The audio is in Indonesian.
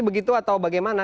begitu atau bagaimana